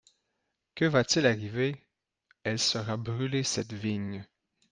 Que va-t-il arriver ? «Elle sera brûlée, cette vigne.